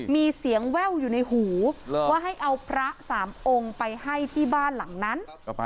มีเสียงแว่วอยู่ในหูว่าให้เอาพระสามองค์ไปให้ที่บ้านหลังนั้น